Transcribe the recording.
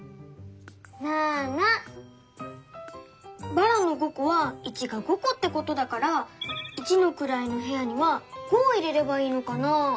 ばらの５こは「１」が５こってことだから一のくらいのへやには５を入れればいいのかな？